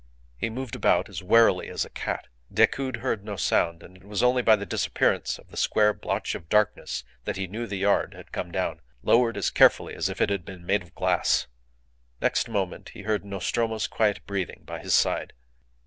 He moved about as warily as a cat. Decoud heard no sound; and it was only by the disappearance of the square blotch of darkness that he knew the yard had come down, lowered as carefully as if it had been made of glass. Next moment he heard Nostromo's quiet breathing by his side.